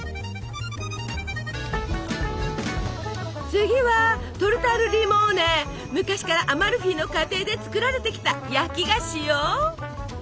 次は昔からアマルフィの家庭で作られてきた焼き菓子よ！